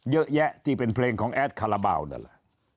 เยอะแยะที่เป็นเพลงของแอดคาราบาลนั่นแหละ